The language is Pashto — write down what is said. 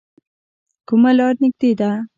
کومه لار نږدې ده؟